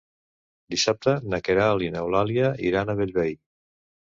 Dissabte na Queralt i n'Eulàlia iran a Bellvei.